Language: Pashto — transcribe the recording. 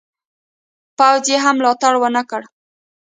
پوځ یې هم ملاتړ ونه کړ.